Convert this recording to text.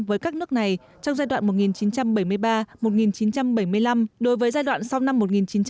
với các nước này trong giai đoạn một nghìn chín trăm bảy mươi ba một nghìn chín trăm bảy mươi năm đối với giai đoạn sau năm một nghìn chín trăm bảy mươi năm